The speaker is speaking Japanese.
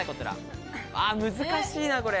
難しいな、これ。